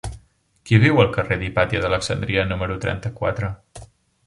Qui viu al carrer d'Hipàtia d'Alexandria número trenta-quatre?